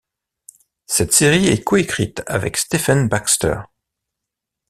Cette série est coécrite avec Stephen Baxter.